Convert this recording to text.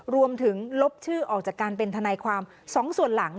รวมถึงลบชื่อออกจากการเป็นทนายความ๒ส่วนหลัง